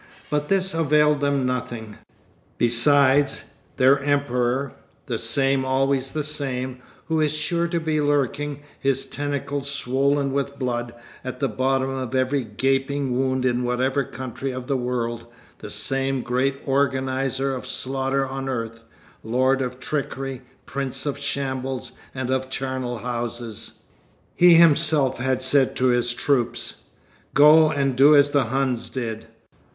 But this availed them nothing. Besides, their Emperor the same, always the same, who is sure to be lurking, his tentacles swollen with blood, at the bottom of every gaping wound in whatever country of the world, the same great organiser of slaughter on earth, lord of trickery, prince of shambles and of charnel houses he himself had said to his troops: "Go and do as the Huns did.